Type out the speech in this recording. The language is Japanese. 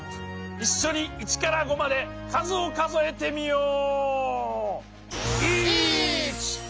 いっしょに１から５までかずをかぞえてみよう！